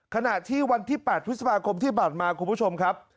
ขณะที่วันที่๘พฤษภาคมที่ผ่านมาคุณผู้ชมครับ